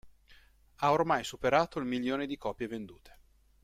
Ha ormai superato il milione di copie vendute.